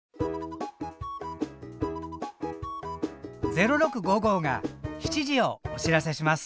「０６」が７時をお知らせします。